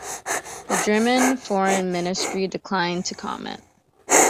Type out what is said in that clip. The German Foreign Ministry declined to comment.